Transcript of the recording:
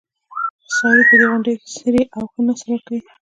څاروي په دې غونډیو کې څري او ښه نسل ورکوي.